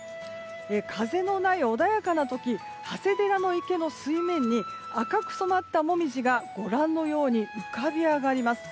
風のない穏やかな時長谷寺の池の水面に赤く染まったモミジが浮かび上がります。